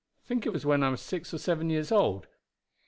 "I think it was when I was six or seven years old.